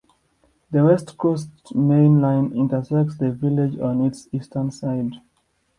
The West Coast Main Line intersects the village on its eastern side.